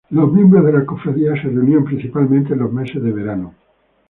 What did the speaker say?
Los miembros de la cofradía se reunían principalmente en los meses de verano.